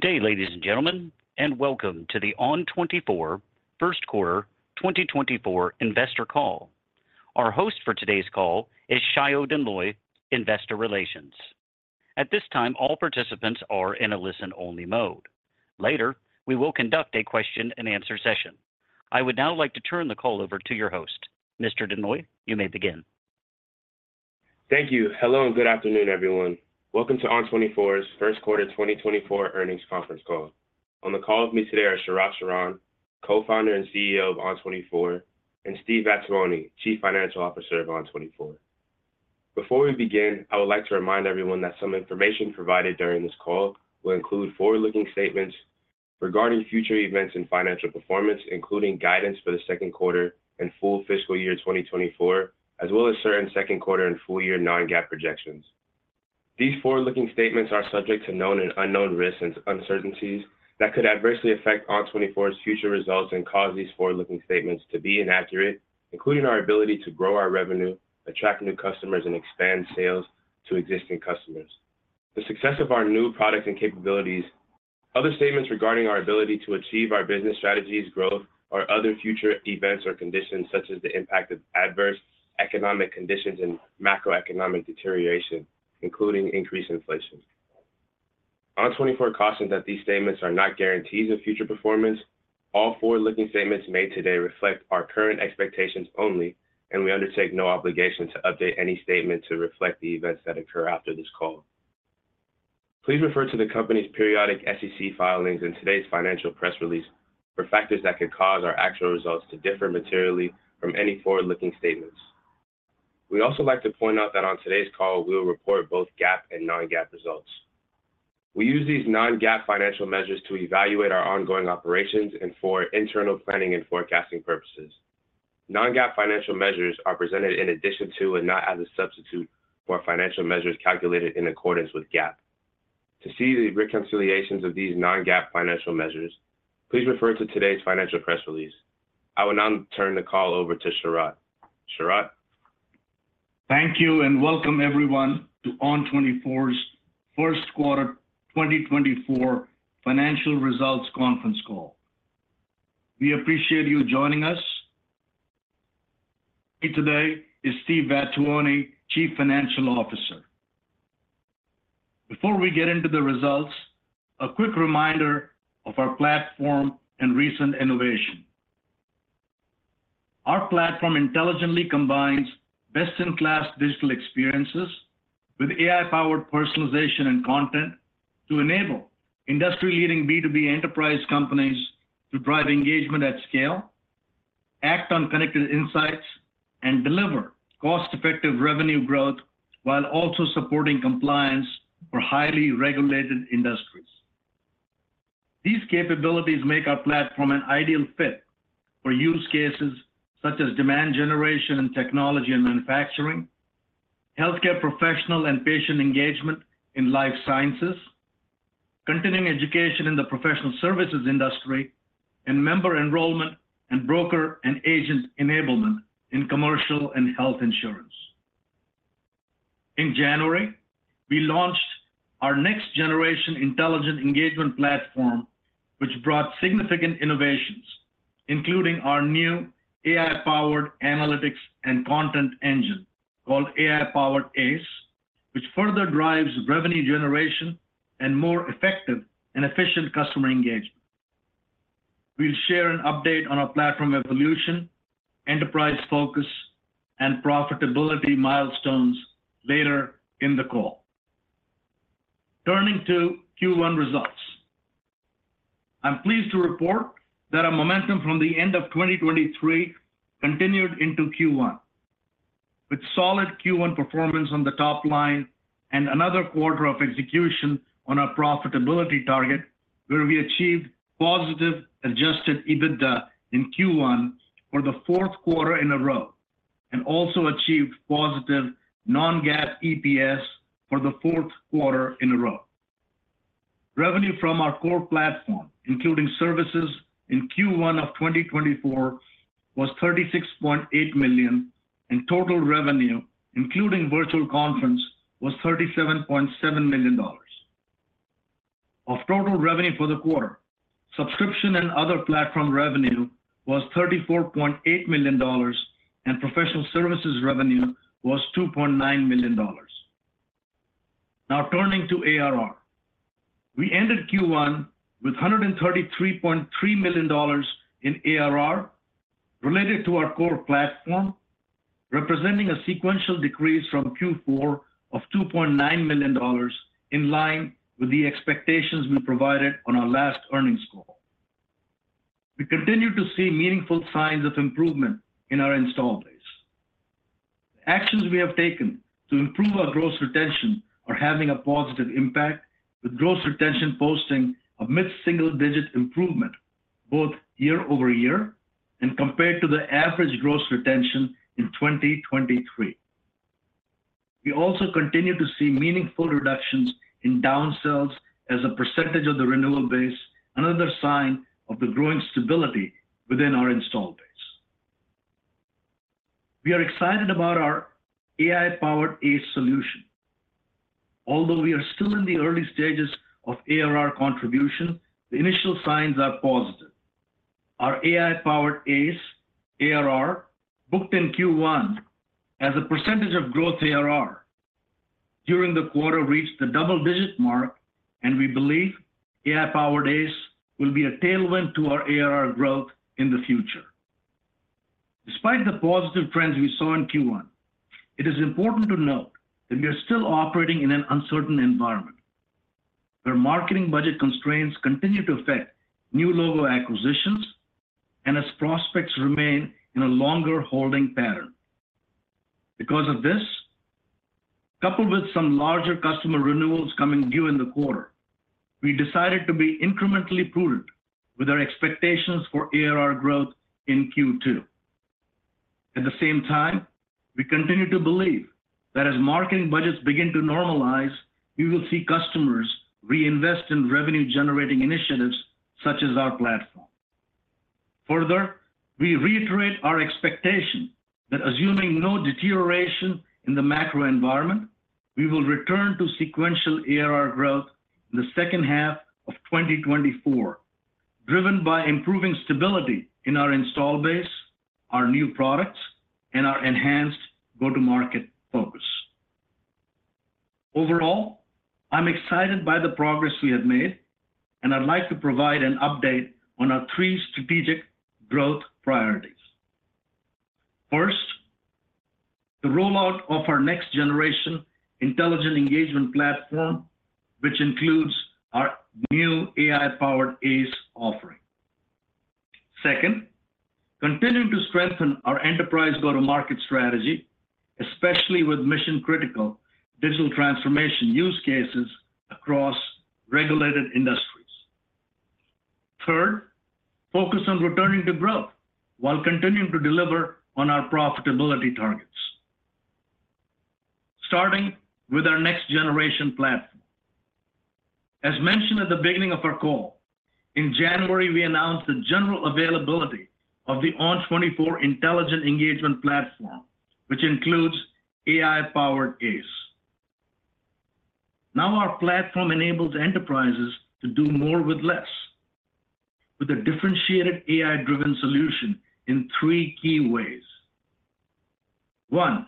Good day, ladies and gentlemen, and welcome to the ON24 First Quarter 2024 investor call. Our host for today's call is Sayo Denloye, investor relations. At this time, all participants are in a listen-only mode. Later, we will conduct a question-and-answer session. I would now like to turn the call over to your host. Mr. Denloye, you may begin. Thank you. Hello and good afternoon, everyone. Welcome to ON24's First Quarter 2024 earnings conference call. On the call with me today are Sharat Sharan, Co-founder and CEO of ON24, and Steve Vattuone, Chief Financial Officer of ON24. Before we begin, I would like to remind everyone that some information provided during this call will include forward-looking statements regarding future events and financial performance, including guidance for the second quarter and full fiscal year 2024, as well as certain second quarter and full year non-GAAP projections. These forward-looking statements are subject to known and unknown risks and uncertainties that could adversely affect ON24's future results and cause these forward-looking statements to be inaccurate, including our ability to grow our revenue, attract new customers, and expand sales to existing customers. The success of our new products and capabilities. Other statements regarding our ability to achieve our business strategies, growth, or other future events or conditions, such as the impact of adverse economic conditions and macroeconomic deterioration, including increased inflation. ON24 cautions that these statements are not guarantees of future performance. All forward-looking statements made today reflect our current expectations only, and we undertake no obligation to update any statement to reflect the events that occur after this call. Please refer to the company's periodic SEC filings and today's financial press release for factors that could cause our actual results to differ materially from any forward-looking statements. We also like to point out that on today's call, we will report both GAAP and non-GAAP results. We use these non-GAAP financial measures to evaluate our ongoing operations and for internal planning and forecasting purposes. Non-GAAP financial measures are presented in addition to and not as a substitute for financial measures calculated in accordance with GAAP. To see the reconciliations of these non-GAAP financial measures, please refer to today's financial press release. I will now turn the call over to Sharat. Sharat? Thank you and welcome, everyone, to ON24's First Quarter 2024 financial results conference call. We appreciate you joining us. With me today is Steve Vattuone, Chief Financial Officer. Before we get into the results, a quick reminder of our platform and recent innovation. Our platform intelligently combines best-in-class digital experiences with AI-powered personalization and content to enable industry-leading B2B enterprise companies to drive engagement at scale, act on connected insights, and deliver cost-effective revenue growth while also supporting compliance for highly regulated industries. These capabilities make our platform an ideal fit for use cases such as demand generation and technology and manufacturing, healthcare professional and patient engagement in life sciences, continuing education in the professional services industry, and member enrollment and broker and agent enablement in commercial and health insurance. In January, we launched our next-generation intelligent engagement platform, which brought significant innovations, including our new AI-powered analytics and content engine called AI-powered ACE, which further drives revenue generation and more effective and efficient customer engagement. We'll share an update on our platform evolution, enterprise focus, and profitability milestones later in the call. Turning to Q1 results. I'm pleased to report that our momentum from the end of 2023 continued into Q1, with solid Q1 performance on the top line and another quarter of execution on our profitability target, where we achieved positive adjusted EBITDA in Q1 for the fourth quarter in a row and also achieved positive non-GAAP EPS for the fourth quarter in a row. Revenue from our core platform, including services, in Q1 of 2024 was $36.8 million, and total revenue, including virtual conference, was $37.7 million. Of total revenue for the quarter, subscription and other platform revenue was $34.8 million, and professional services revenue was $2.9 million. Now turning to ARR. We ended Q1 with $133.3 million in ARR related to our core platform, representing a sequential decrease from Q4 of $2.9 million in line with the expectations we provided on our last earnings call. We continue to see meaningful signs of improvement in our install base. The actions we have taken to improve our gross retention are having a positive impact, with gross retention posting a mid-single-digit improvement both year-over-year and compared to the average gross retention in 2023. We also continue to see meaningful reductions in downsells as a percentage of the renewal base, another sign of the growing stability within our install base. We are excited about our AI-powered ACE solution. Although we are still in the early stages of ARR contribution, the initial signs are positive. Our AI-powered ACE ARR booked in Q1 as a percentage of growth ARR during the quarter reached the double-digit mark, and we believe AI-powered ACE will be a tailwind to our ARR growth in the future. Despite the positive trends we saw in Q1, it is important to note that we are still operating in an uncertain environment where marketing budget constraints continue to affect new logo acquisitions and as prospects remain in a longer holding pattern. Because of this, coupled with some larger customer renewals coming due in the quarter, we decided to be incrementally prudent with our expectations for ARR growth in Q2. At the same time, we continue to believe that as marketing budgets begin to normalize, we will see customers reinvest in revenue-generating initiatives such as our platform. Further, we reiterate our expectation that assuming no deterioration in the macro environment, we will return to sequential ARR growth in the second half of 2024, driven by improving stability in our install base, our new products, and our enhanced go-to-market focus. Overall, I'm excited by the progress we have made, and I'd like to provide an update on our three strategic growth priorities. First, the rollout of our next-generation Intelligent Engagement Platform, which includes our new AI-powered ACE offering. Second, continuing to strengthen our enterprise go-to-market strategy, especially with mission-critical digital transformation use cases across regulated industries. Third, focus on returning to growth while continuing to deliver on our profitability targets, starting with our next-generation platform. As mentioned at the beginning of our call, in January, we announced the general availability of the ON24 Intelligent Engagement Platform, which includes AI-powered ACE. Now our platform enables enterprises to do more with less with a differentiated AI-driven solution in three key ways. One,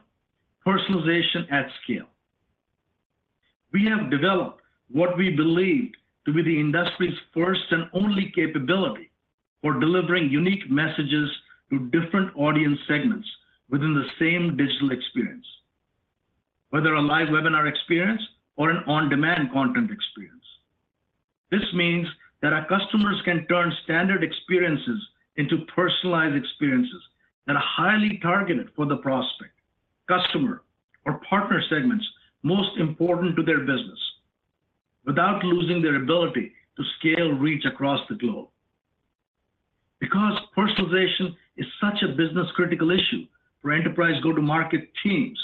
personalization at scale. We have developed what we believed to be the industry's first and only capability for delivering unique messages to different audience segments within the same digital experience, whether a live webinar experience or an on-demand content experience. This means that our customers can turn standard experiences into personalized experiences that are highly targeted for the prospect, customer, or partner segments most important to their business without losing their ability to scale reach across the globe. Because personalization is such a business-critical issue for enterprise go-to-market teams,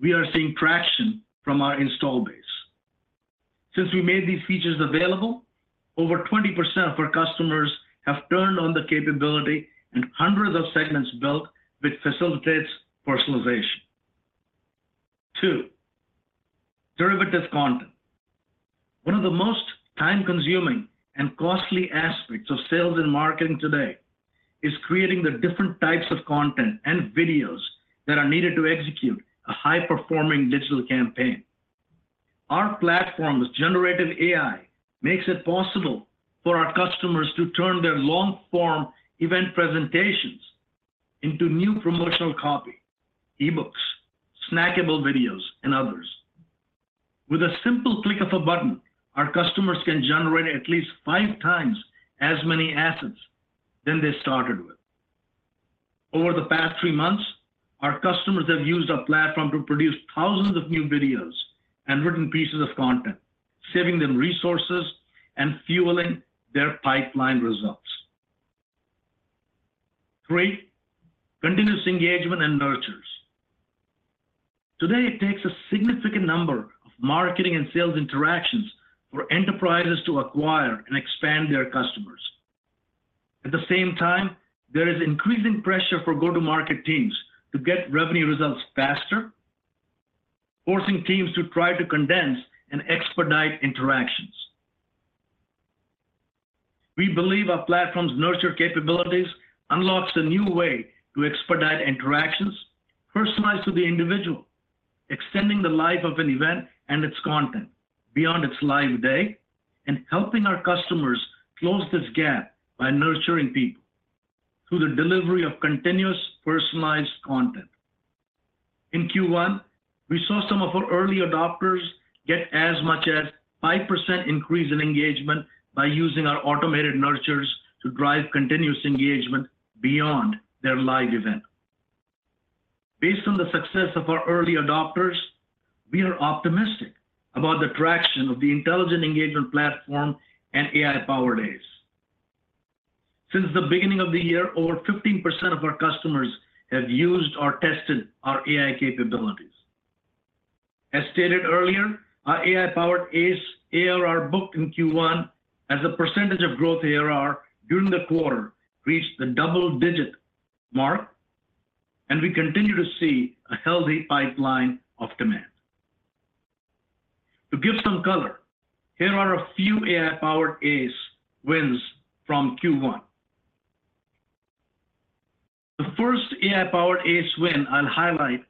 we are seeing traction from our install base. Since we made these features available, over 20% of our customers have turned on the capability, and hundreds of segments built which facilitate personalization. Two, derivative content. One of the most time-consuming and costly aspects of sales and marketing today is creating the different types of content and videos that are needed to execute a high-performing digital campaign. Our platform with generative AI makes it possible for our customers to turn their long-form event presentations into new promotional copy, eBooks, snackable videos, and others. With a simple click of a button, our customers can generate at least five times as many assets than they started with. Over the past three months, our customers have used our platform to produce thousands of new videos and written pieces of content, saving them resources and fueling their pipeline results. Three, continuous engagement and nurtures. Today, it takes a significant number of marketing and sales interactions for enterprises to acquire and expand their customers. At the same time, there is increasing pressure for go-to-market teams to get revenue results faster, forcing teams to try to condense and expedite interactions. We believe our platform's nurture capabilities unlock a new way to expedite interactions personalized to the individual, extending the life of an event and its content beyond its live day, and helping our customers close this gap by nurturing people through the delivery of continuous personalized content. In Q1, we saw some of our early adopters get as much as 5% increase in engagement by using our automated nurtures to drive continuous engagement beyond their live event. Based on the success of our early adopters, we are optimistic about the traction of the intelligent engagement platform and AI-powered ACE. Since the beginning of the year, over 15% of our customers have used or tested our AI capabilities. As stated earlier, our AI-powered ACE ARR booked in Q1 as a percentage of growth ARR during the quarter reached the double-digit mark, and we continue to see a healthy pipeline of demand. To give some color, here are a few AI-powered ACE wins from Q1. The first AI-powered ACE win I'll highlight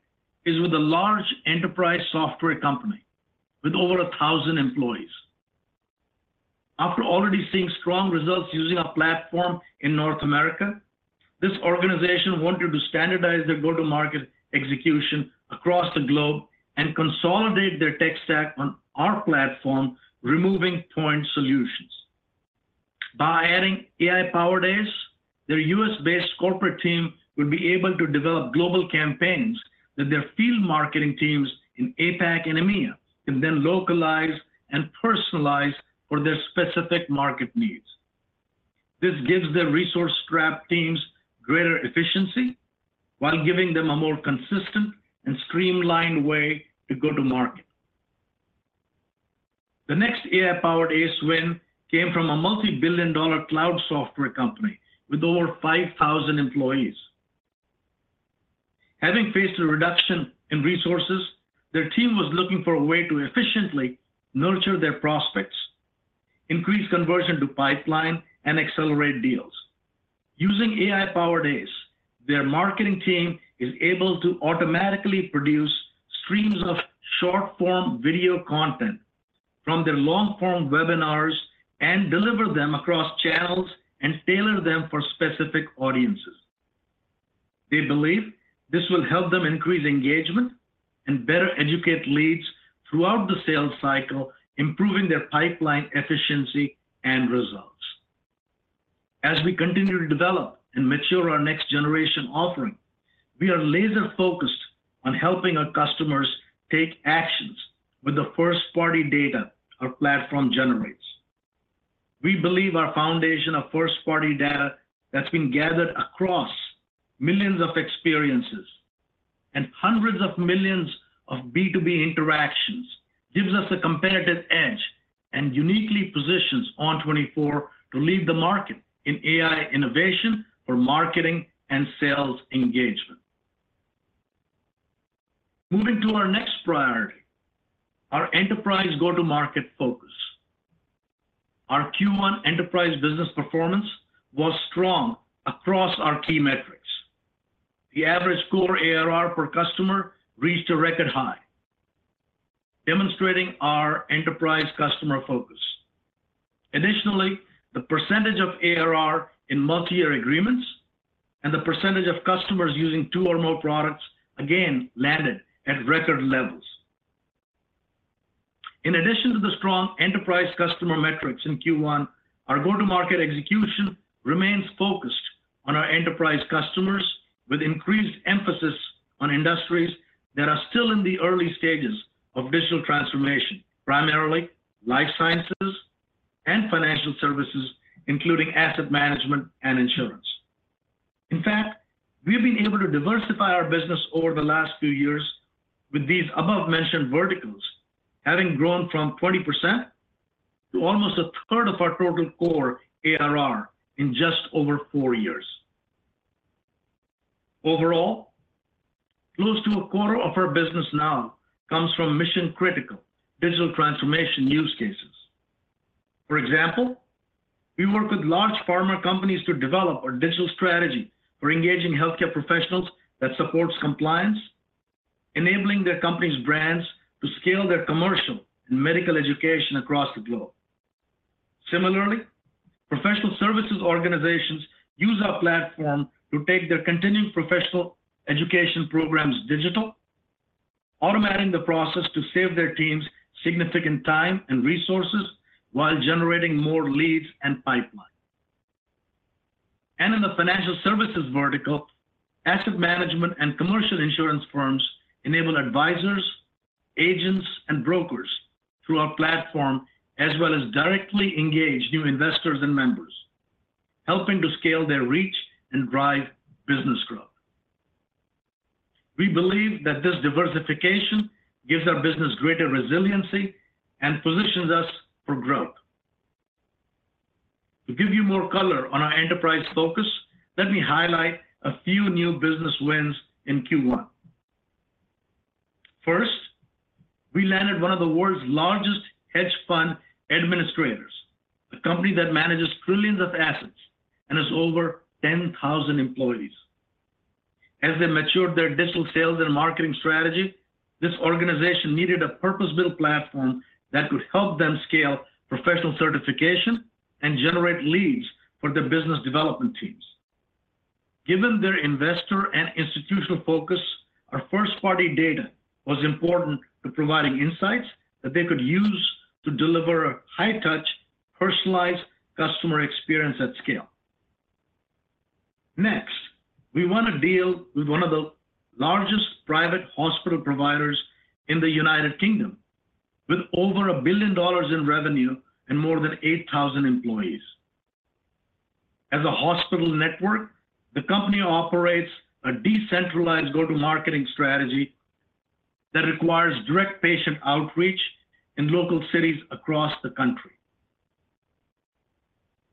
is with a large enterprise software company with over 1,000 employees. After already seeing strong results using our platform in North America, this organization wanted to standardize their go-to-market execution across the globe and consolidate their tech stack on our platform, removing point solutions. By adding AI-powered ACE, their U.S.-based corporate team would be able to develop global campaigns that their field marketing teams in APAC and EMEA can then localize and personalize for their specific market needs. This gives their resource-strapped teams greater efficiency while giving them a more consistent and streamlined way to go to market. The next AI-powered ACE win came from a multi-billion dollar cloud software company with over 5,000 employees. Having faced a reduction in resources, their team was looking for a way to efficiently nurture their prospects, increase conversion to pipeline, and accelerate deals. Using AI-powered ACE, their marketing team is able to automatically produce streams of short-form video content from their long-form webinars and deliver them across channels and tailor them for specific audiences. They believe this will help them increase engagement and better educate leads throughout the sales cycle, improving their pipeline efficiency and results. As we continue to develop and mature our next-generation offering, we are laser-focused on helping our customers take actions with the first-party data our platform generates. We believe our foundation of first-party data that's been gathered across millions of experiences and hundreds of millions of B2B interactions gives us a competitive edge and uniquely positions ON24 to lead the market in AI innovation for marketing and sales engagement. Moving to our next priority, our enterprise go-to-market focus. Our Q1 enterprise business performance was strong across our key metrics. The average core ARR per customer reached a record high, demonstrating our enterprise customer focus. Additionally, the percentage of ARR in multi-year agreements and the percentage of customers using two or more products again landed at record levels. In addition to the strong enterprise customer metrics in Q1, our go-to-market execution remains focused on our enterprise customers with increased emphasis on industries that are still in the early stages of digital transformation, primarily life sciences and financial services, including asset management and insurance. In fact, we've been able to diversify our business over the last few years with these above-mentioned verticals, having grown from 20% to almost a third of our total core ARR in just over four years. Overall, close to a quarter of our business now comes from mission-critical digital transformation use cases. For example, we work with large pharma companies to develop a digital strategy for engaging healthcare professionals that supports compliance, enabling their companies' brands to scale their commercial and medical education across the globe. Similarly, professional services organizations use our platform to take their continuing professional education programs digital, automating the process to save their teams significant time and resources while generating more leads and pipeline. In the financial services vertical, asset management and commercial insurance firms enable advisors, agents, and brokers through our platform as well as directly engage new investors and members, helping to scale their reach and drive business growth. We believe that this diversification gives our business greater resiliency and positions us for growth. To give you more color on our enterprise focus, let me highlight a few new business wins in Q1. First, we landed one of the world's largest hedge fund administrators, a company that manages trillions of assets and has over 10,000 employees. As they matured their digital sales and marketing strategy, this organization needed a purpose-built platform that could help them scale professional certification and generate leads for their business development teams. Given their investor and institutional focus, our first-party data was important to providing insights that they could use to deliver a high-touch, personalized customer experience at scale. Next, we want to deal with one of the largest private hospital providers in the United Kingdom with over $1 billion in revenue and more than 8,000 employees. As a hospital network, the company operates a decentralized go-to-marketing strategy that requires direct patient outreach in local cities across the country.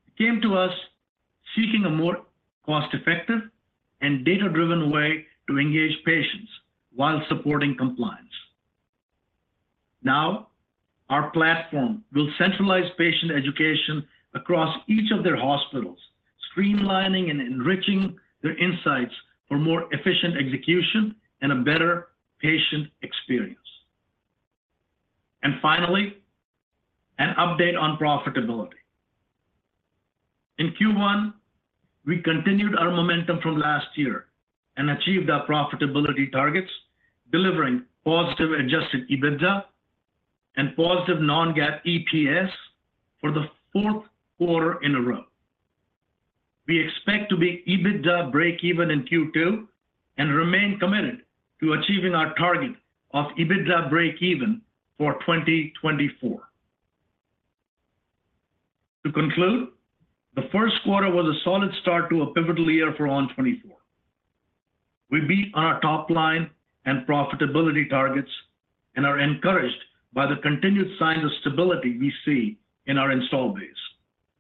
It came to us seeking a more cost-effective and data-driven way to engage patients while supporting compliance. Now, our platform will centralize patient education across each of their hospitals, streamlining and enriching their insights for more efficient execution and a better patient experience. Finally, an update on profitability. In Q1, we continued our momentum from last year and achieved our profitability targets, delivering positive adjusted EBITDA and positive non-GAAP EPS for the fourth quarter in a row. We expect to be EBITDA break-even in Q2 and remain committed to achieving our target of EBITDA break-even for 2024. To conclude, the first quarter was a solid start to a pivotal year for ON24. We beat on our top-line and profitability targets and are encouraged by the continued signs of stability we see in our install base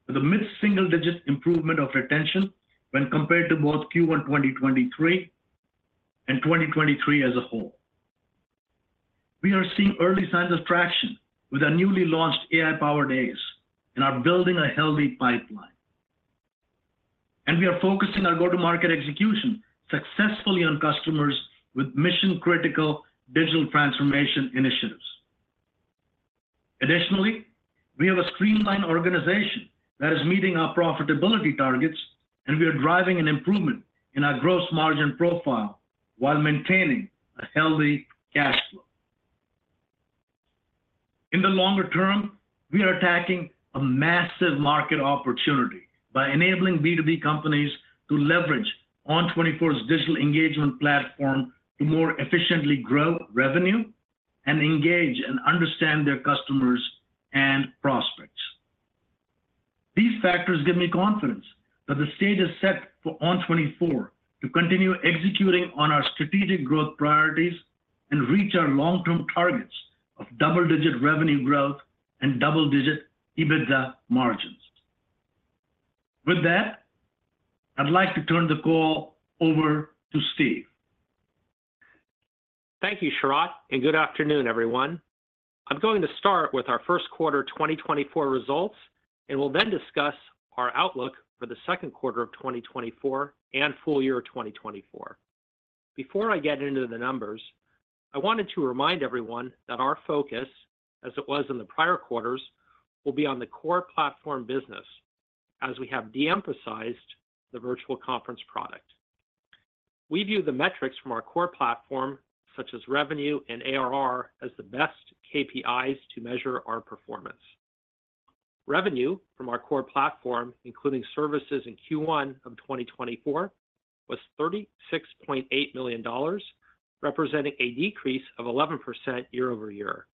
with a mid-single-digit improvement of retention when compared to both Q1 2023 and 2023 as a whole. We are seeing early signs of traction with our newly launched AI-powered ACE and are building a healthy pipeline. We are focusing our go-to-market execution successfully on customers with mission-critical digital transformation initiatives. Additionally, we have a streamlined organization that is meeting our profitability targets, and we are driving an improvement in our gross margin profile while maintaining a healthy cash flow. In the longer term, we are attacking a massive market opportunity by enabling B2B companies to leverage ON24's digital engagement platform to more efficiently grow revenue and engage and understand their customers and prospects. These factors give me confidence that the stage is set for ON24 to continue executing on our strategic growth priorities and reach our long-term targets of double-digit revenue growth and double-digit EBITDA margins. With that, I'd like to turn the call over to Steve. Thank you, Sharat, and good afternoon, everyone. I'm going to start with our first quarter 2024 results, and we'll then discuss our outlook for the second quarter of 2024 and full year 2024. Before I get into the numbers, I wanted to remind everyone that our focus, as it was in the prior quarters, will be on the core platform business as we have de-emphasized the virtual conference product. We view the metrics from our core platform, such as revenue and ARR, as the best KPIs to measure our performance. Revenue from our core platform, including services in Q1 of 2024, was $36.8 million, representing a decrease of 11% year-over-year.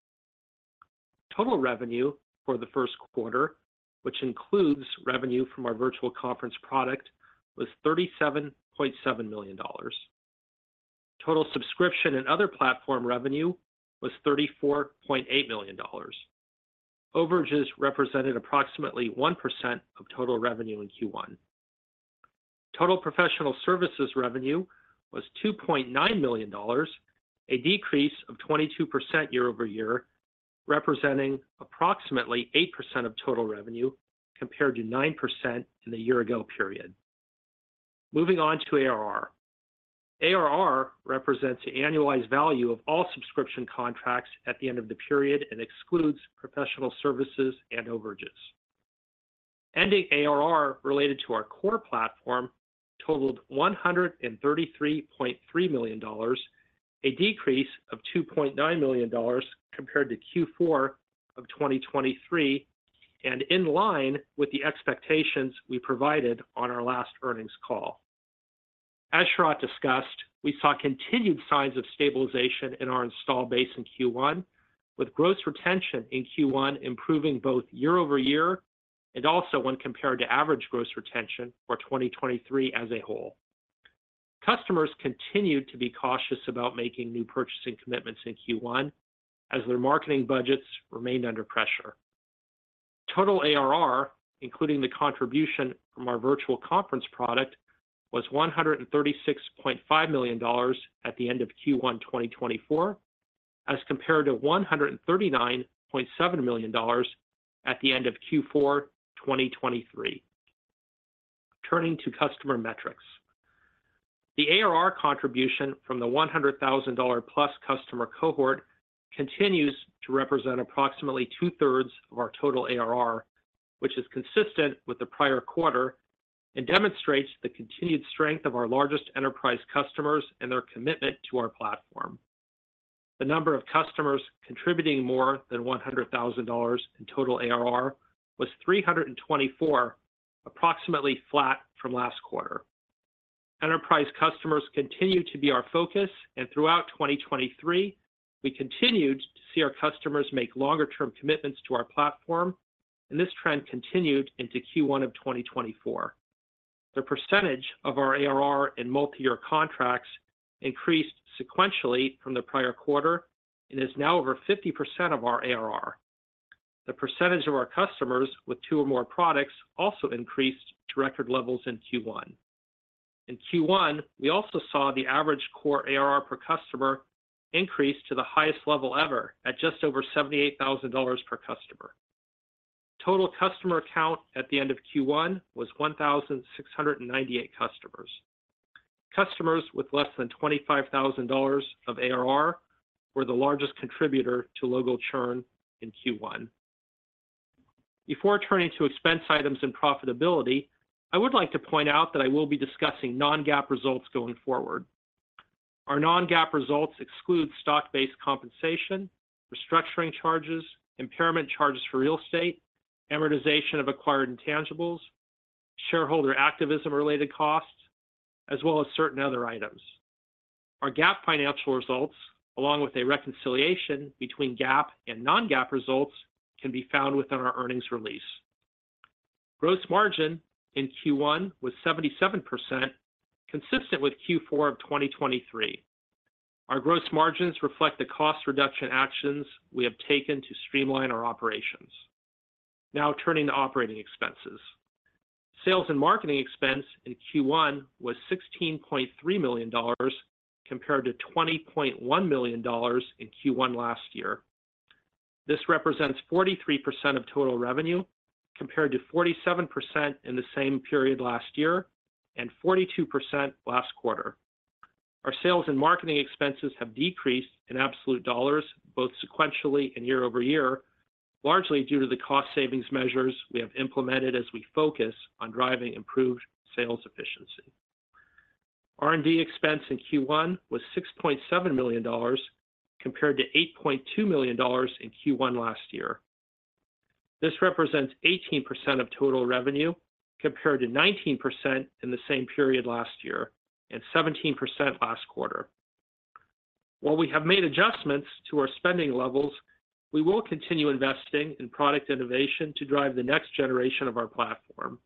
Total revenue for the first quarter, which includes revenue from our virtual conference product, was $37.7 million. Total subscription and other platform revenue was $34.8 million. Overages represented approximately 1% of total revenue in Q1. Total professional services revenue was $2.9 million, a decrease of 22% year over year, representing approximately 8% of total revenue compared to 9% in the year-ago period. Moving on to ARR. ARR represents the annualized value of all subscription contracts at the end of the period and excludes professional services and overages. Ending ARR related to our core platform totaled $133.3 million, a decrease of $2.9 million compared to Q4 of 2023 and in line with the expectations we provided on our last earnings call. As Sharat discussed, we saw continued signs of stabilization in our install base in Q1, with gross retention in Q1 improving both year over year and also when compared to average gross retention for 2023 as a whole. Customers continued to be cautious about making new purchasing commitments in Q1 as their marketing budgets remained under pressure. Total ARR, including the contribution from our virtual conference product, was $136.5 million at the end of Q1 2024 as compared to $139.7 million at the end of Q4 2023. Turning to customer metrics. The ARR contribution from the $100,000-plus customer cohort continues to represent approximately two-thirds of our total ARR, which is consistent with the prior quarter and demonstrates the continued strength of our largest enterprise customers and their commitment to our platform. The number of customers contributing more than $100,000 in total ARR was 324, approximately flat from last quarter. Enterprise customers continue to be our focus, and throughout 2023, we continued to see our customers make longer-term commitments to our platform, and this trend continued into Q1 of 2024. The percentage of our ARR in multi-year contracts increased sequentially from the prior quarter and is now over 50% of our ARR. The percentage of our customers with two or more products also increased to record levels in Q1. In Q1, we also saw the average core ARR per customer increase to the highest level ever at just over $78,000 per customer. Total customer count at the end of Q1 was 1,698 customers. Customers with less than $25,000 of ARR were the largest contributor to logo churn in Q1. Before turning to expense items and profitability, I would like to point out that I will be discussing non-GAAP results going forward. Our non-GAAP results exclude stock-based compensation, restructuring charges, impairment charges for real estate, amortization of acquired intangibles, shareholder activism-related costs, as well as certain other items. Our GAAP financial results, along with a reconciliation between GAAP and non-GAAP results, can be found within our earnings release. Gross margin in Q1 was 77%, consistent with Q4 of 2023. Our gross margins reflect the cost reduction actions we have taken to streamline our operations. Now turning to operating expenses. Sales and marketing expense in Q1 was $16.3 million compared to $20.1 million in Q1 last year. This represents 43% of total revenue compared to 47% in the same period last year and 42% last quarter. Our sales and marketing expenses have decreased in absolute dollars, both sequentially and year-over-year, largely due to the cost savings measures we have implemented as we focus on driving improved sales efficiency. R&D expense in Q1 was $6.7 million compared to $8.2 million in Q1 last year. This represents 18% of total revenue compared to 19% in the same period last year and 17% last quarter. While we have made adjustments to our spending levels, we will continue investing in product innovation to drive the next generation of our platform.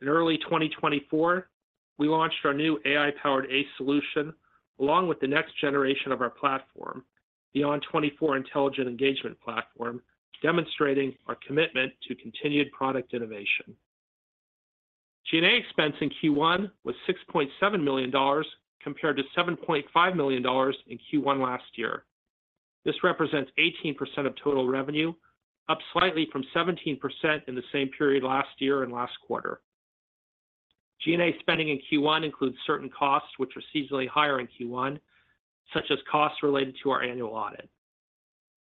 In early 2024, we launched our new AI-powered ACE solution along with the next generation of our platform, the ON24 Intelligent Engagement Platform, demonstrating our commitment to continued product innovation. G&A expense in Q1 was $6.7 million compared to $7.5 million in Q1 last year. This represents 18% of total revenue, up slightly from 17% in the same period last year and last quarter. G&A spending in Q1 includes certain costs, which are seasonally higher in Q1, such as costs related to our annual audit.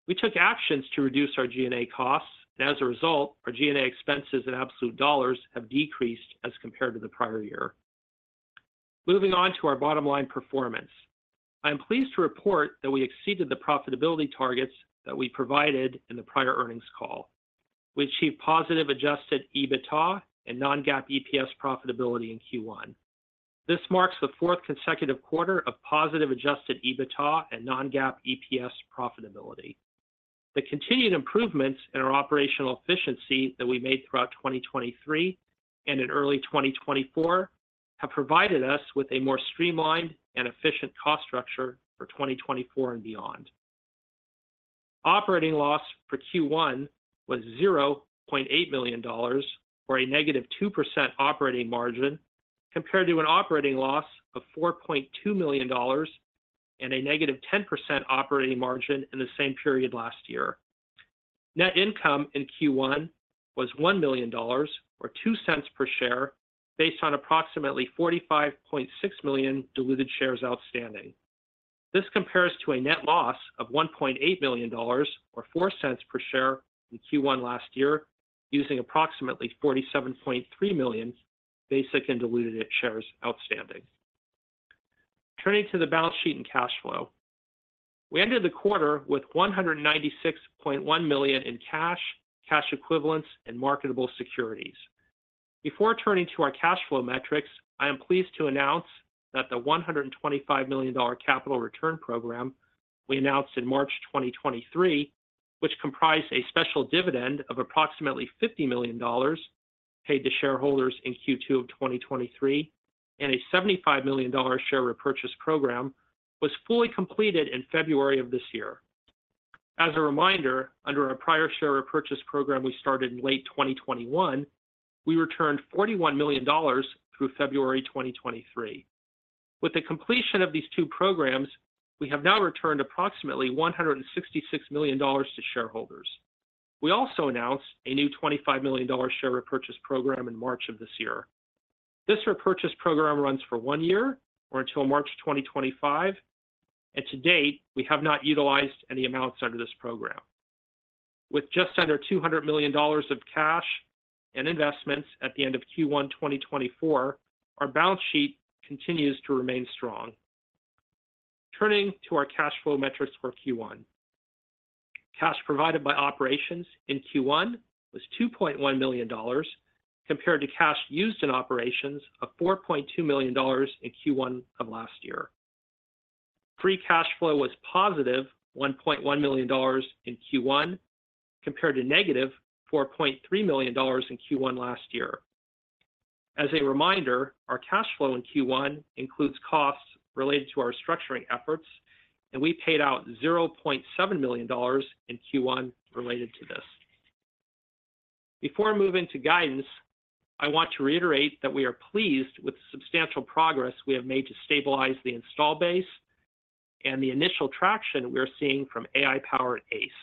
We took actions to reduce our G&A costs, and as a result, our G&A expenses in absolute dollars have decreased as compared to the prior year. Moving on to our bottom-line performance. I am pleased to report that we exceeded the profitability targets that we provided in the prior earnings call. We achieved positive adjusted EBITDA and non-GAAP EPS profitability in Q1. This marks the fourth consecutive quarter of positive adjusted EBITDA and non-GAAP EPS profitability. The continued improvements in our operational efficiency that we made throughout 2023 and in early 2024 have provided us with a more streamlined and efficient cost structure for 2024 and beyond. Operating loss for Q1 was $0.8 million or a negative 2% operating margin compared to an operating loss of $4.2 million and a negative 10% operating margin in the same period last year. Net income in Q1 was $1 million or $0.02 per share based on approximately 45.6 million diluted shares outstanding. This compares to a net loss of $1.8 million or $0.04 per share in Q1 last year using approximately 47.3 million basic and diluted shares outstanding. Turning to the balance sheet and cash flow. We ended the quarter with $196.1 million in cash, cash equivalents, and marketable securities. Before turning to our cash flow metrics, I am pleased to announce that the $125 million capital return program we announced in March 2023, which comprised a special dividend of approximately $50 million paid to shareholders in Q2 of 2023 and a $75 million share repurchase program, was fully completed in February of this year. As a reminder, under our prior share repurchase program we started in late 2021, we returned $41 million through February 2023. With the completion of these two programs, we have now returned approximately $166 million to shareholders. We also announced a new $25 million share repurchase program in March of this year. This repurchase program runs for one year or until March 2025, and to date, we have not utilized any amounts under this program. With just under $200 million of cash and investments at the end of Q1 2024, our balance sheet continues to remain strong. Turning to our cash flow metrics for Q1. Cash provided by operations in Q1 was $2.1 million compared to cash used in operations of $4.2 million in Q1 of last year. Free cash flow was positive $1.1 million in Q1 compared to negative $4.3 million in Q1 last year. As a reminder, our cash flow in Q1 includes costs related to our restructuring efforts, and we paid out $0.7 million in Q1 related to this. Before moving to guidance, I want to reiterate that we are pleased with the substantial progress we have made to stabilize the install base and the initial traction we are seeing from AI-powered ACE.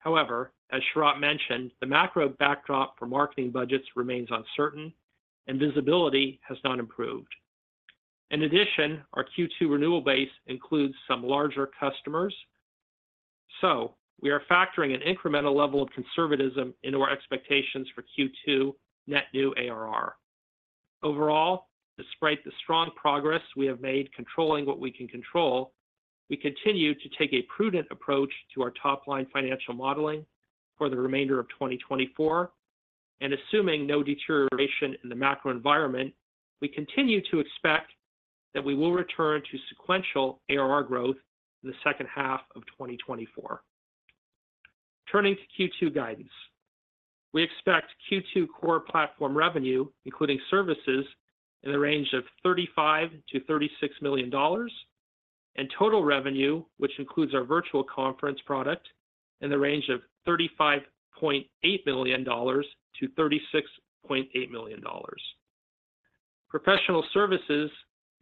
However, as Sharat mentioned, the macro backdrop for marketing budgets remains uncertain, and visibility has not improved. In addition, our Q2 renewal base includes some larger customers, so we are factoring an incremental level of conservatism into our expectations for Q2 net new ARR. Overall, despite the strong progress we have made controlling what we can control, we continue to take a prudent approach to our top-line financial modeling for the remainder of 2024, and assuming no deterioration in the macro environment, we continue to expect that we will return to sequential ARR growth in the second half of 2024. Turning to Q2 guidance. We expect Q2 core platform revenue, including services, in the range of $35-$36 million, and total revenue, which includes our virtual conference product, in the range of $35.8-$36.8 million. Professional services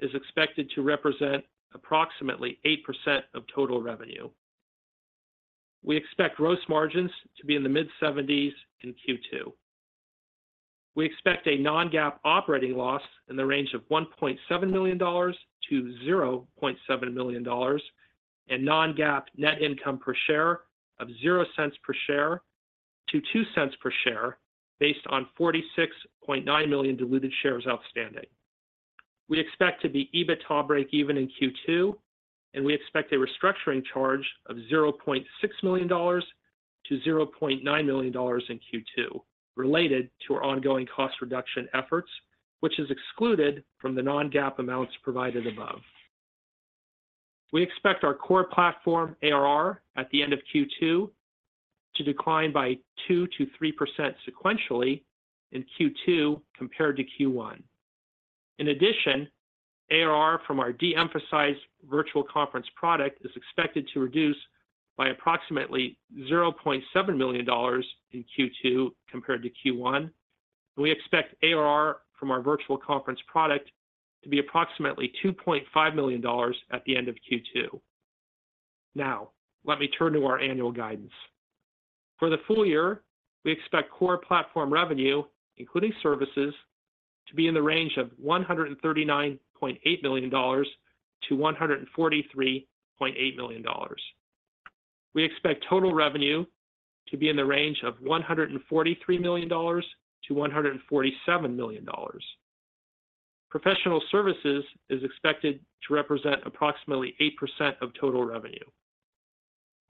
is expected to represent approximately 8% of total revenue. We expect gross margins to be in the mid-70s in Q2. We expect a non-GAAP operating loss in the range of $1.7 million-$0.7 million, and non-GAAP net income per share of $0.00-$0.02 based on 46.9 million diluted shares outstanding. We expect to be EBITDA break-even in Q2, and we expect a restructuring charge of $0.6 million-$0.9 million in Q2 related to our ongoing cost reduction efforts, which is excluded from the non-GAAP amounts provided above. We expect our core platform ARR at the end of Q2 to decline by 2%-3% sequentially in Q2 compared to Q1. In addition, ARR from our de-emphasized virtual conference product is expected to reduce by approximately $0.7 million in Q2 compared to Q1, and we expect ARR from our virtual conference product to be approximately $2.5 million at the end of Q2. Now, let me turn to our annual guidance. For the full year, we expect core platform revenue, including services, to be in the range of $139.8 million-$143.8 million. We expect total revenue to be in the range of $143 million-$147 million. Professional services is expected to represent approximately 8% of total revenue.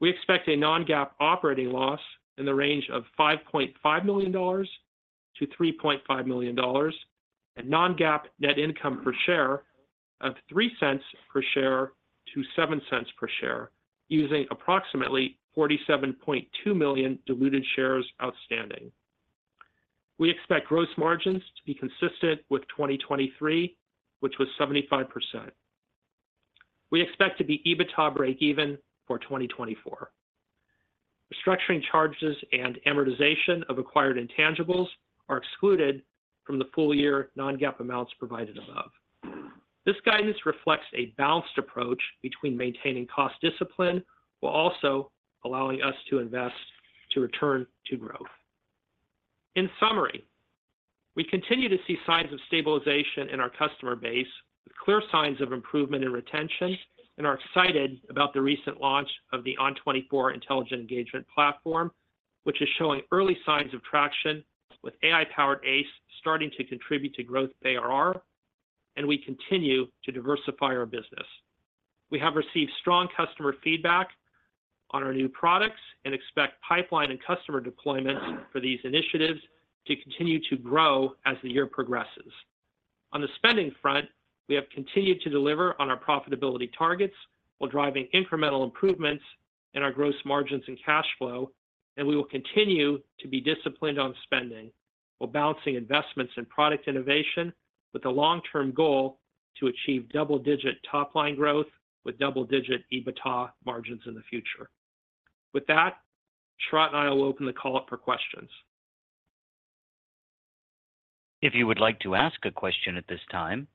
We expect a non-GAAP operating loss in the range of $5.5 million-$3.5 million, and non-GAAP net income per share of $0.03-$0.07 using approximately 47.2 million diluted shares outstanding. We expect gross margins to be consistent with 2023, which was 75%. We expect to be EBITDA break-even for 2024. Restructuring charges and amortization of acquired intangibles are excluded from the full year non-GAAP amounts provided above. This guidance reflects a balanced approach between maintaining cost discipline while also allowing us to invest to return to growth. In summary, we continue to see signs of stabilization in our customer base with clear signs of improvement in retention, and are excited about the recent launch of the ON24 Intelligent Engagement Platform, which is showing early signs of traction with AI-powered ACE starting to contribute to growth ARR, and we continue to diversify our business. We have received strong customer feedback on our new products and expect pipeline and customer deployments for these initiatives to continue to grow as the year progresses. On the spending front, we have continued to deliver on our profitability targets while driving incremental improvements in our gross margins and cash flow, and we will continue to be disciplined on spending while balancing investments and product innovation with the long-term goal to achieve double-digit top-line growth with double-digit EBITDA margins in the future. With that, Sharat and I will open the call up for questions. If you would like to ask a question at this time,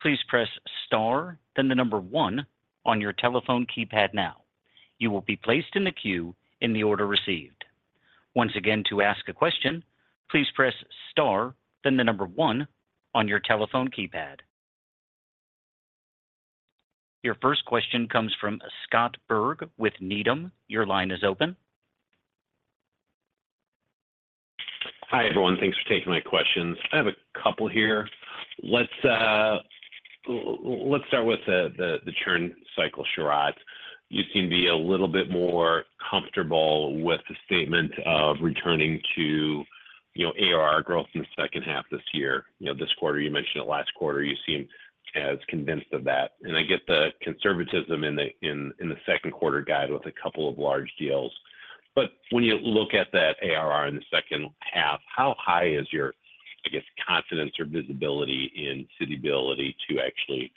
please press * then 1 on your telephone keypad now. You will be placed in the queue in the order received. Once again, to ask a question, please press * then 1 on your telephone keypad. Your first question comes from Scott Berg with Needham. Your line is open. Hi, everyone. Thanks for taking my questions. I have a couple here. Let's start with the churn cycle, Sharat. You seem to be a little bit more comfortable with the statement of returning to ARR growth in the second half this year. This quarter, you mentioned it last quarter. You seem as convinced of that. And I get the conservatism in the second quarter guide with a couple of large deals. But when you look at that ARR in the second half, how high is your, I guess, confidence or visibility into the ability to actually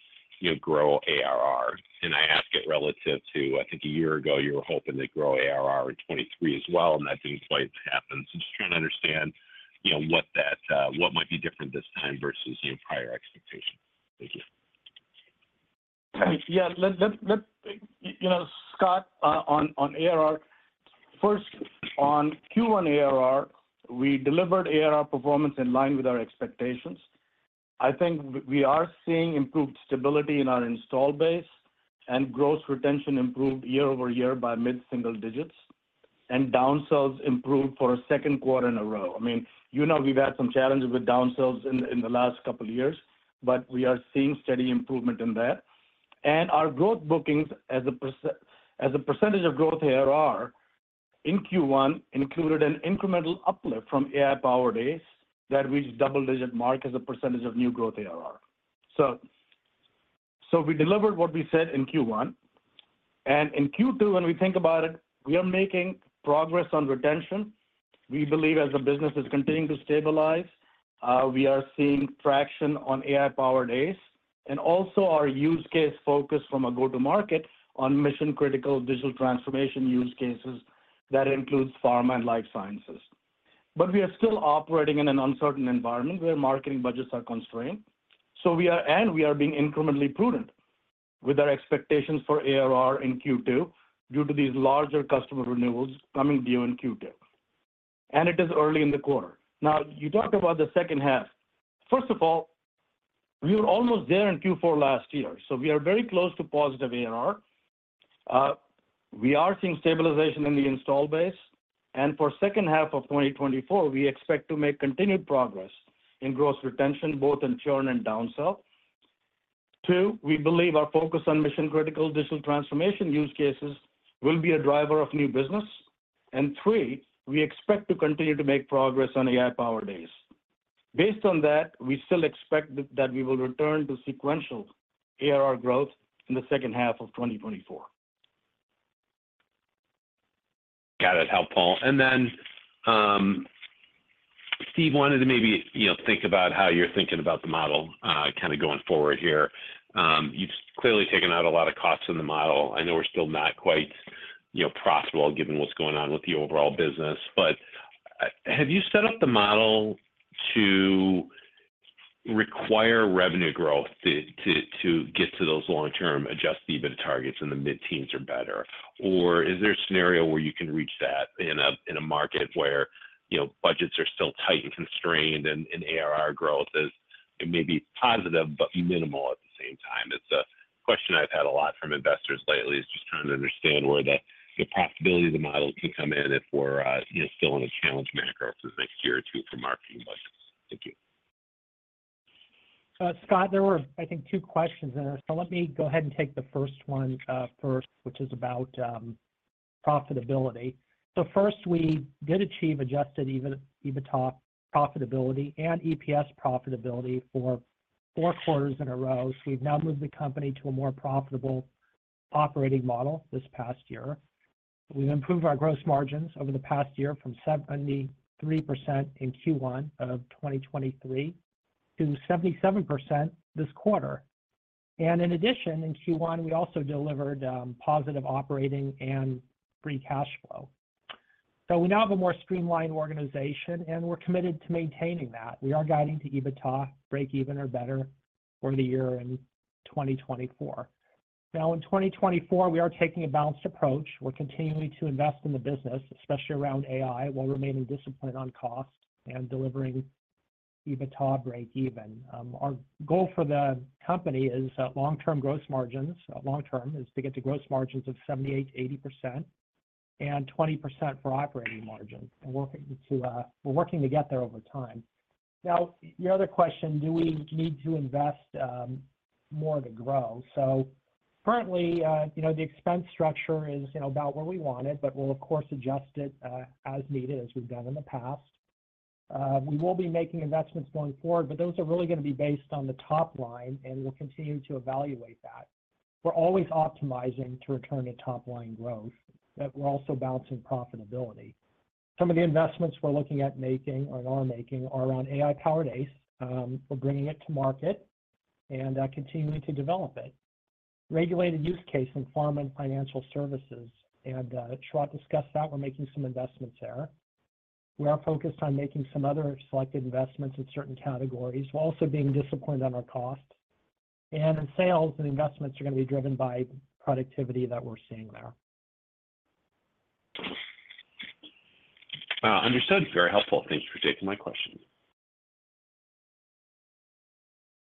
grow ARR? And I ask it relative to, I think, a year ago, you were hoping to grow ARR in 2023 as well, and that didn't quite happen. So just trying to understand what might be different this time versus prior expectations. Thank you. Yeah. Scott, on ARR, first, on Q1 ARR, we delivered ARR performance in line with our expectations. I think we are seeing improved stability in our installed base and gross retention improved year over year by mid-single digits, and downsells improved for a second quarter in a row. I mean, we've had some challenges with downsells in the last couple of years, but we are seeing steady improvement in that. Our growth bookings as a percentage of growth ARR in Q1 included an incremental uplift from AI-powered ACE that reached double-digit mark as a percentage of new growth ARR. So we delivered what we said in Q1. In Q2, when we think about it, we are making progress on retention. We believe, as the business is continuing to stabilize, we are seeing traction on AI-powered ACE and also our use case focus from a go-to-market on mission-critical digital transformation use cases that includes pharma and life sciences. But we are still operating in an uncertain environment where marketing budgets are constrained, and we are being incrementally prudent with our expectations for ARR in Q2 due to these larger customer renewals coming due in Q2. It is early in the quarter. Now, you talked about the second half. First of all, we were almost there in Q4 last year, so we are very close to positive ARR. We are seeing stabilization in the install base, and for second half of 2024, we expect to make continued progress in gross retention, both in churn and downsell. Two, we believe our focus on mission-critical digital transformation use cases will be a driver of new business. And three, we expect to continue to make progress on AI-powered ACE. Based on that, we still expect that we will return to sequential ARR growth in the second half of 2024. Got it. Helpful. And then, Steve, wanted to maybe think about how you're thinking about the model kind of going forward here. You've clearly taken out a lot of costs in the model. I know we're still not quite profitable given what's going on with the overall business. But have you set up the model to require revenue growth to get to those long-term adjusted EBITDA targets and the mid-teens are better? Or is there a scenario where you can reach that in a market where budgets are still tight and constrained and ARR growth is maybe positive but minimal at the same time? It's a question I've had a lot from investors lately is just trying to understand where the profitability of the model can come in if we're still in a challenging macro for the next year or two for marketing budgets. Thank you. Scott, there were, I think, two questions in there. So let me go ahead and take the first one first, which is about profitability. So first, we did achieve adjusted EBITDA profitability and EPS profitability for four quarters in a row. So we've now moved the company to a more profitable operating model this past year. We've improved our gross margins over the past year from 73% in Q1 of 2023 to 77% this quarter. In addition, in Q1, we also delivered positive operating and free cash flow. So we now have a more streamlined organization, and we're committed to maintaining that. We are guiding to EBITDA break-even or better for the year in 2024. Now, in 2024, we are taking a balanced approach. We're continuing to invest in the business, especially around AI, while remaining disciplined on cost and delivering EBITDA break-even. Our goal for the company is long-term gross margins long-term is to get to gross margins of 78%-80%, and 20% for operating margin. And we're working to get there over time. Now, your other question, do we need to invest more to grow? So currently, the expense structure is about where we want it, but we'll, of course, adjust it as needed as we've done in the past. We will be making investments going forward, but those are really going to be based on the top line, and we'll continue to evaluate that. We're always optimizing to return to top-line growth. We're also balancing profitability. Some of the investments we're looking at making or are making are around AI-powered ACE. We're bringing it to market and continuing to develop it. Regulated use case in pharma and financial services, and Sharat discussed that. We're making some investments there. We are focused on making some other selected investments in certain categories while also being disciplined on our cost. And in sales, the investments are going to be driven by productivity that we're seeing there. Understood. Very helpful. Thanks for taking my question.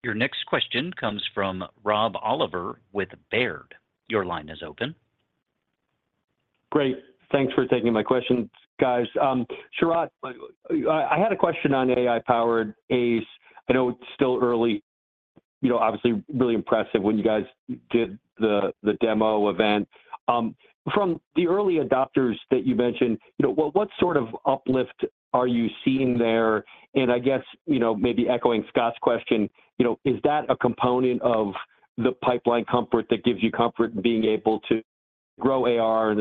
Your next question comes from Rob Oliver with Baird. Your line is open. Great. Thanks for taking my questions, guys. Sharat, I had a question on AI-powered ACE. I know it's still early. Obviously, really impressive when you guys did the demo event. From the early adopters that you mentioned, what sort of uplift are you seeing there? And I guess maybe echoing Scott's question, is that a component of the pipeline comfort that gives you comfort in being able to grow AR in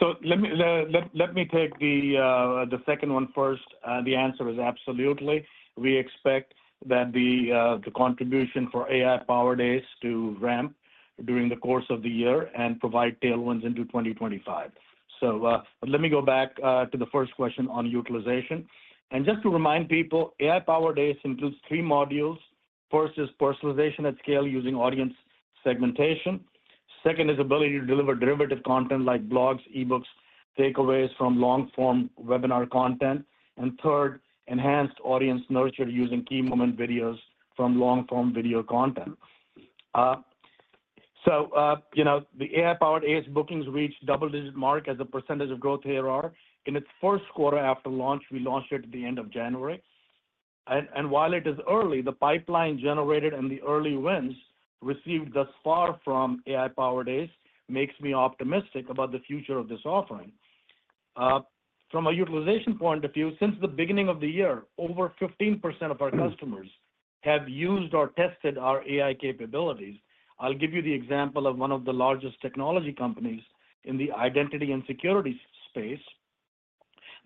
the second half as well? So let me take the second one first. The answer is absolutely. We expect that the contribution for AI-powered ACE to ramp during the course of the year and provide tailwinds into 2025. But let me go back to the first question on utilization. Just to remind people, AI-powered ACE includes three modules. First is personalization at scale using audience segmentation. Second is ability to deliver derivative content like blogs, eBooks, takeaways from long-form webinar content. And third, enhanced audience nurture using key moment videos from long-form video content. So the AI-powered ACE bookings reached double-digit mark as a percentage of growth ARR. In its first quarter after launch, we launched it at the end of January. And while it is early, the pipeline generated and the early wins received thus far from AI-powered ACE makes me optimistic about the future of this offering. From a utilization point of view, since the beginning of the year, over 15% of our customers have used or tested our AI capabilities. I'll give you the example of one of the largest technology companies in the identity and security space.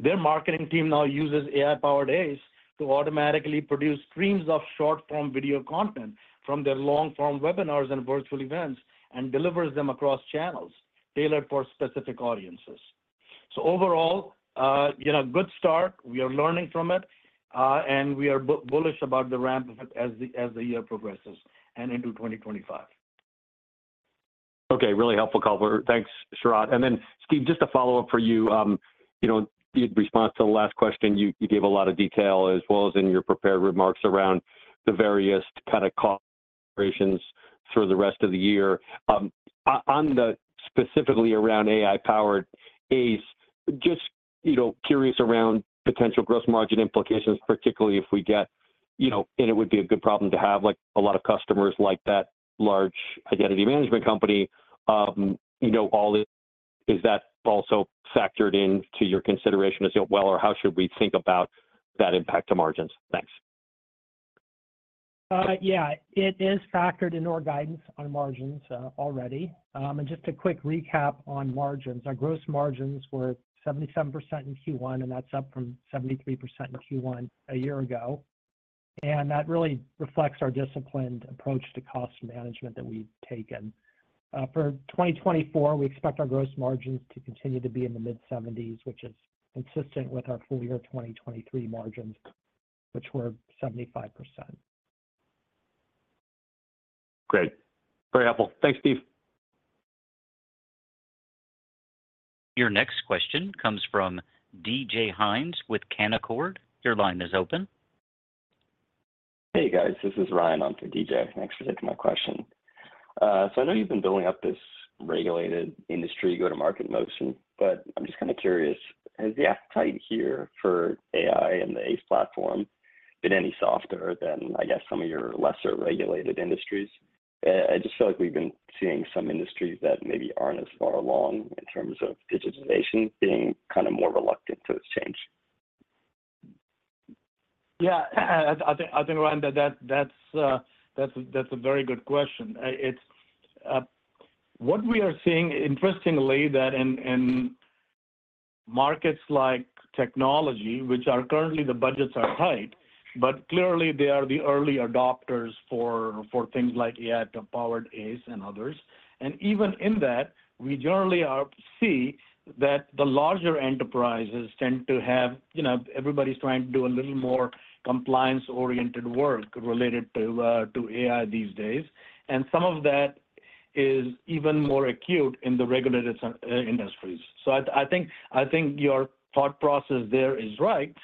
Their marketing team now uses AI-powered ACE to automatically produce streams of short-form video content from their long-form webinars and virtual events and delivers them across channels tailored for specific audiences. So overall, good start. We are learning from it, and we are bullish about the ramp as the year progresses and into 2025. Okay. Really helpful call. Thanks, Sharat. And then, Steve, just a follow-up for you. In response to the last question, you gave a lot of detail as well as in your prepared remarks around the various kind of cost corrections through the rest of the year. Specifically around AI-powered ACE, just curious around potential gross margin implications, particularly if we get and it would be a good problem to have a lot of customers like that large identity management company. Is that also factored into your consideration as well, or how should we think about that impact to margins? Thanks. Yeah. It is factored in our guidance on margins already. Just a quick recap on margins. Our gross margins were 77% in Q1, and that's up from 73% in Q1 a year ago. And that really reflects our disciplined approach to cost management that we've taken. For 2024, we expect our gross margins to continue to be in the mid-70s, which is consistent with our full-year 2023 margins, which were 75%. Great. Very helpful. Thanks, Steve. Your next question comes from DJ Hynes with Canaccord. Your line is open. Hey, guys. This is Ryan on for DJ. Thanks for taking my question. So I know you've been building up this regulated industry go-to-market motion, but I'm just kind of curious, has the appetite here for AI and the ACE platform been any softer than, I guess, some of your lesser regulated industries? I just feel like we've been seeing some industries that maybe aren't as far along in terms of digitization being kind of more reluctant to change. Yeah. I think, Ryan, that's a very good question. What we are seeing, interestingly, is that in markets like technology, which currently the budgets are tight, but clearly, they are the early adopters for things like AI-powered ACE and others. And even in that, we generally see that the larger enterprises tend to have everybody's trying to do a little more compliance-oriented work related to AI these days. And some of that is even more acute in the regulated industries. I think your thought process there is right.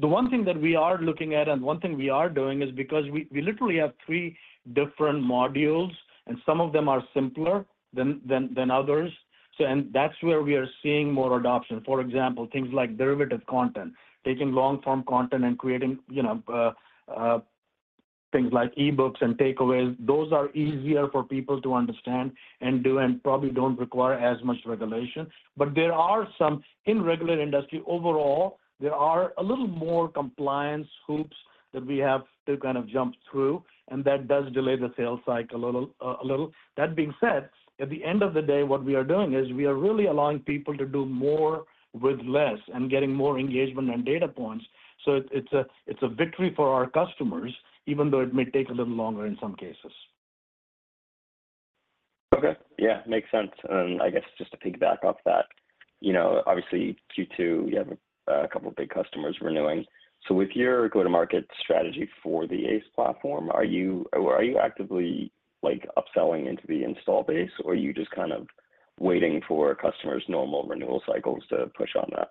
The one thing that we are looking at and the one thing we are doing is because we literally have three different modules, and some of them are simpler than others. That's where we are seeing more adoption. For example, things like derivative content, taking long-form content and creating things like eBooks and takeaways, those are easier for people to understand and do and probably don't require as much regulation. There are some in regular industry, overall, there are a little more compliance hoops that we have to kind of jump through, and that does delay the sales cycle a little. That being said, at the end of the day, what we are doing is we are really allowing people to do more with less and getting more engagement and data points. So it's a victory for our customers, even though it may take a little longer in some cases. Okay. Yeah. Makes sense. And I guess just to piggyback off that, obviously, Q2, you have a couple of big customers renewing. So with your go-to-market strategy for the ACE platform, are you actively upselling into the install base, or are you just kind of waiting for customers' normal renewal cycles to push on that?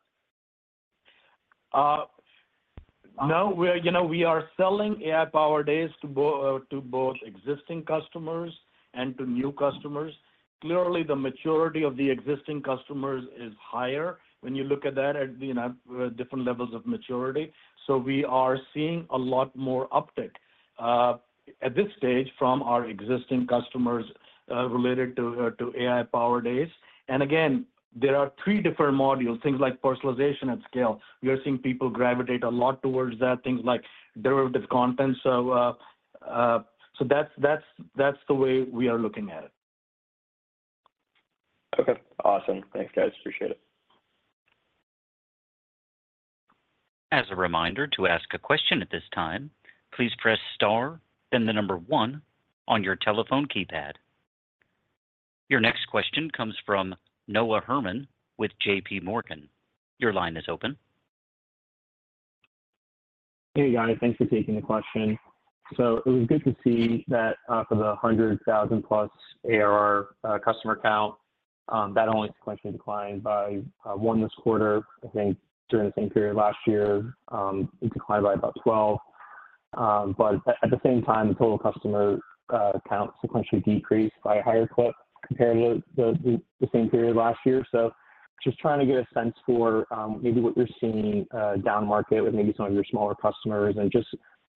No. We are selling AI-powered ACE to both existing customers and to new customers. Clearly, the maturity of the existing customers is higher when you look at that at different levels of maturity. So we are seeing a lot more uptick at this stage from our existing customers related to AI-powered ACE. And again, there are three different modules, things like personalization at scale. We are seeing people gravitate a lot towards that, things like derivative content. So that's the way we are looking at it. Okay. Awesome. Thanks, guys. Appreciate it. As a reminder, to ask a question at this time, please press star, then the number 1 on your telephone keypad. Your next question comes from Noah Herman with J.P. Morgan. Your line is open. Hey, guys. Thanks for taking the question. So it was good to see that for the 100,000-plus ARR customer count, that only sequentially declined by 1 this quarter. I think during the same period last year, it declined by about 12. But at the same time, the total customer count sequentially decreased by a higher clip compared to the same period last year. So just trying to get a sense for maybe what you're seeing down market with maybe some of your smaller customers and just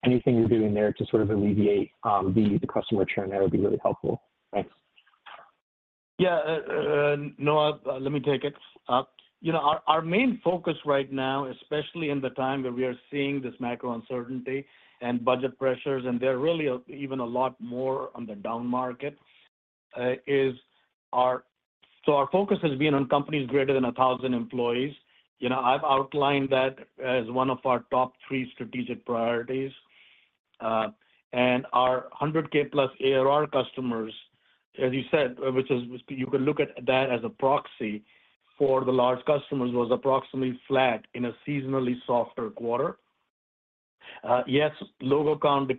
anything you're doing there to sort of alleviate the customer churn, that would be really helpful. Thanks. Yeah. Noah, let me take it. Our main focus right now, especially in the time where we are seeing this macro uncertainty and budget pressures, and they're really even a lot more on the down market, is our focus has been on companies greater than 1,000 employees. I've outlined that as one of our top three strategic priorities. And our 100K-plus ARR customers, as you said, which is you could look at that as a proxy for the large customers, was approximately flat in a seasonally softer quarter. Yes, logo count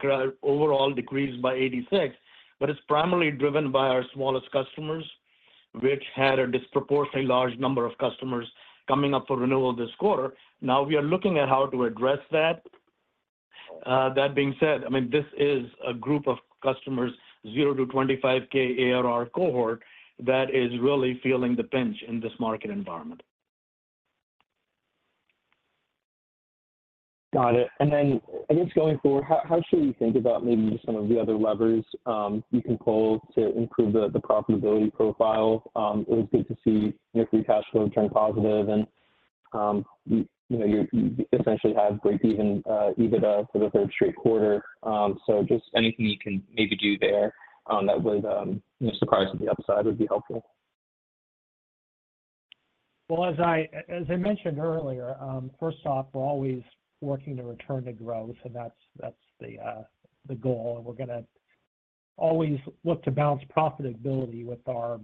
overall decreased by 86, but it's primarily driven by our smallest customers, which had a disproportionately large number of customers coming up for renewal this quarter. Now, we are looking at how to address that. That being said, I mean, this is a group of customers, 0-25K ARR cohort, that is really feeling the pinch in this market environment. Got it. And then I guess going forward, how should we think about maybe just some of the other levers you can pull to improve the profitability profile? It was good to see your free cash flow turn positive, and you essentially have break-even EBITDA for the third straight quarter. So just anything you can maybe do there that would surprise you to the upside would be helpful. Well, as I mentioned earlier, first off, we're always working to return to growth, and that's the goal. We're going to always look to balance profitability with our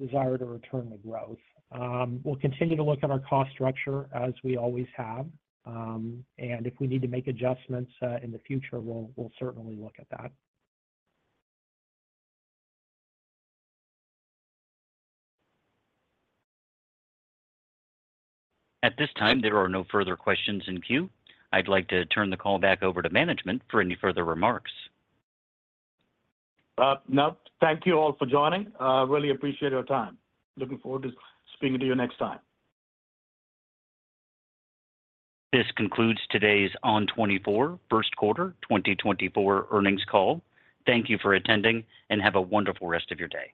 desire to return to growth. We'll continue to look at our cost structure as we always have. If we need to make adjustments in the future, we'll certainly look at that. At this time, there are no further questions in queue. I'd like to turn the call back over to management for any further remarks. No. Thank you all for joining. Really appreciate your time. Looking forward to speaking to you next time. This concludes today's ON24 first quarter 2024 earnings call. Thank you for attending, and have a wonderful rest of your day.